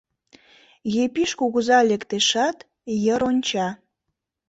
Епиш кугыза лектешат, йыр онча.